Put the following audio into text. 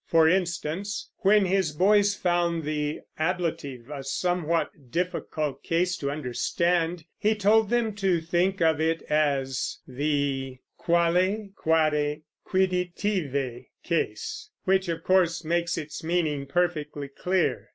For instance, when his boys found the ablative a somewhat difficult case to understand, he told them to think of it as the quale quare quidditive case, which of course makes its meaning perfectly clear.